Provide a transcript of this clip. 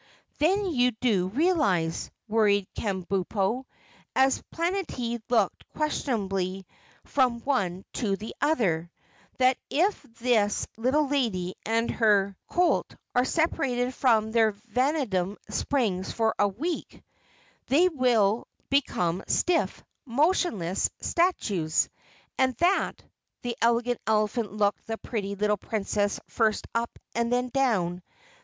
"Then, do you realize," worried Kabumpo, as Planetty looked questioningly from one to the other, "that if this little lady and her colt are separated from their vanadium springs for a week, they will become stiff, motionless statues? And that " the Elegant Elephant looked the pretty little Princess first up and then down.